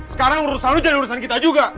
sekarang urusan lo jadi urusan kita juga